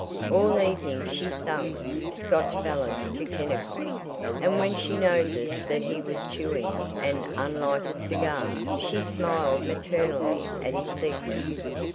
All evening she sang Scotch ballads to Kennicott, and when she noticed that he was chewing an unlighted cigar she smiled maternally at his secret.